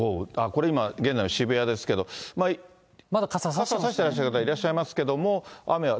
これ今、現在の渋谷ですけれども、傘差してらっしゃる方いらっしゃいますけれども、雨は。